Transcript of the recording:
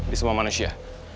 di semua manusia